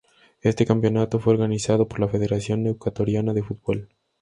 Este campeonato fue organizado por la Federación Ecuatoriana de Fútbol.